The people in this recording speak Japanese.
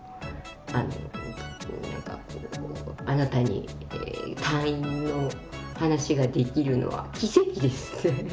あの何か「あなたに退院の話ができるのは奇跡です」って。